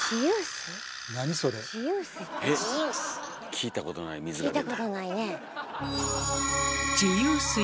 聞いたことないねえ。